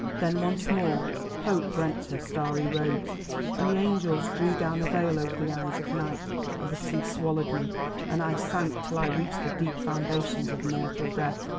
"Then once more Hope rent her starry robes, and the angels drew down a veil over the eyes of Night, and the sea swallowed me, and I sank till I reached the deep foundations of mortal death.